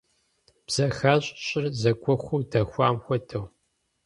Бзэхащ, щӀыр зэгуэхуу дэхуам хуэдэу.